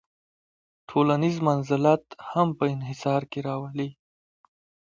ټولنیز منزلت هم په انحصار کې راولي.